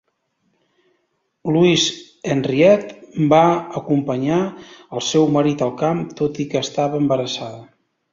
Louise Henriette va acompanyar el seu marit al camp, tot i que estava embarassada.